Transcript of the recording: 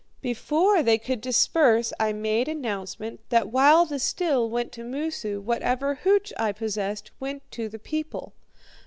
"Before they could disperse I made announcement that while the still went to Moosu, whatever hooch I possessed went to the people.